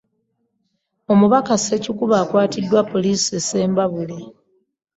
Omubaka Ssekikubo akwatiddwa poliisi e Ssembabule